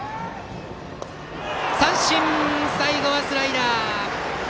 三振、最後はスライダー。